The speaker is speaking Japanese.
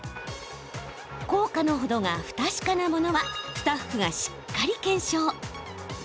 効果のほどが不確かなものはスタッフがしっかり検証。